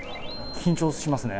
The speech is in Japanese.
緊張しますね。